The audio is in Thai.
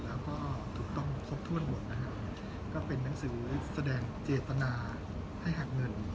และก็ถูกต้องครบถ้วนหมดนะครับ